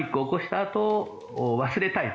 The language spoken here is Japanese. あと忘れたいと。